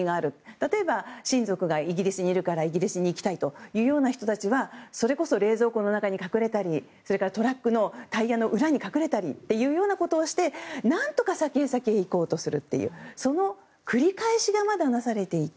例えば、親族がイギリスにいるからイギリスに行きたいというような人たちはそれこそ冷蔵庫の中やトラックのタイヤの裏に隠れたりというようなことをして何とか先へ先へ行こうとするというその繰り返しがまだなされていて。